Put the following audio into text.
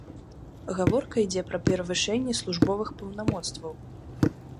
Гаворка ідзе пра перавышэнне службовых паўнамоцтваў.